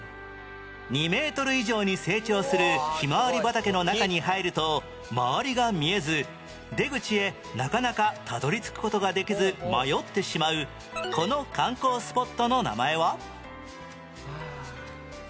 ２メートル以上に成長するひまわり畑の中に入ると周りが見えず出口へなかなかたどり着く事ができず迷ってしまうこの観光スポットの名前は？はあ。